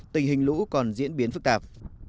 tình hình lũ còn diễn biến phức tạp